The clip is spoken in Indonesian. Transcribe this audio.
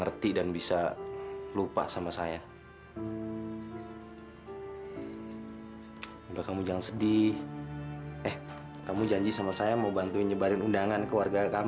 eh ibu jangan kecam